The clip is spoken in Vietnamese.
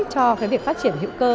cho việc phát triển hữu cơ